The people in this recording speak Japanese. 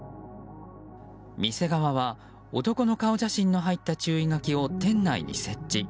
店側は男の顔写真の入った注意書きを店内に設置。